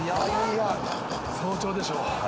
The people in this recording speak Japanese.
早朝でしょう。